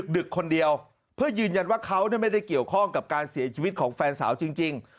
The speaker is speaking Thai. ดึกคนเดียวเพื่อยืนยันว่าเขาไม่ได้เกี่ยวข้องกับการเสียชีวิตของแฟนสาวจริง